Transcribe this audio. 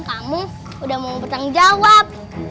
kamu udah mau bertanggung jawab